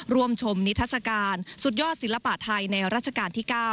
ร่วมชมนิทัศกาลสุดยอดศิลปะไทยในรัชกาลที่๙